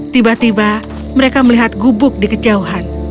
tiba tiba mereka melihat gubuk di kejauhan